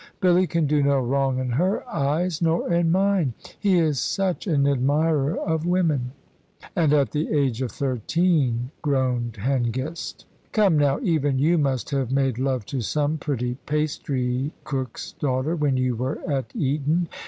Billy can do no wrong in her eyes, nor in mine. He is such an admirer of women." "And at the age of thirteen," groaned Hengist. "Come now, even you must have made love to some pretty pastry cook's daughter when you were at Eton.